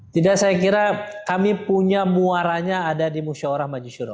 tidak saya kira kami punya muaranya ada di musyawarah majisyuro